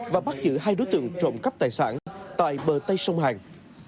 và bắt giữ hai đối tượng trộm cắp tài sản tại bờ tây sông hàn